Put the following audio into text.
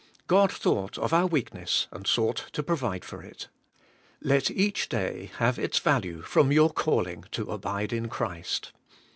God thought of our weakness, and sought to provide for it. Let each day have its value from your calling to abide in Christ.